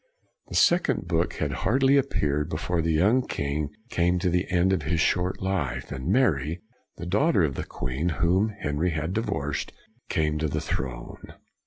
The second book had hardly appeared before the young king came to the end of his short life, and Mary, the daughter of the queen whom Henry had divorced, came to the throne.